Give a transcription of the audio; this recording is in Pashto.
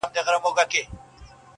• چي څه عقل یې درلودی هغه خام سو -